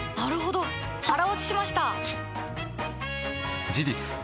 腹落ちしました！